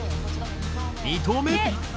２投目。